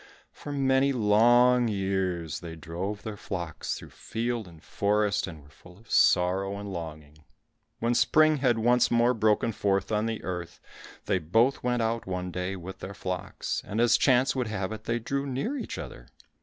For many long years they drove their flocks through field and forest and were full of sorrow and longing. When spring had once more broken forth on the earth, they both went out one day with their flocks, and as chance would have it, they drew near each other.